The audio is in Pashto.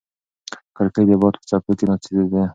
کړکۍ د باد په څپو کې ناڅېده.